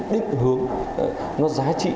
đích hướng nó giá trị